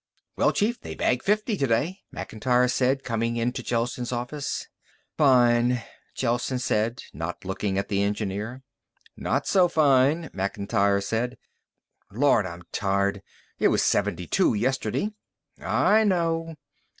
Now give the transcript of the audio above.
"Well, Chief, they bagged fifty today," Macintyre said, coming into Gelsen's office. "Fine," Gelsen said, not looking at the engineer. "Not so fine." Macintyre sat down. "Lord, I'm tired! It was seventy two yesterday." "I know."